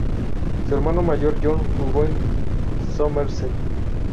Su hermano mayor, John, jugó en Somerset.